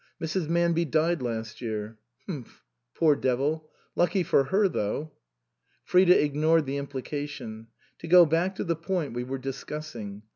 Mrs. Manby died last year." " H'mph ! Poor devil ! Lucky for her though." Frida ignored the implication. " To go back to the point we were discussing.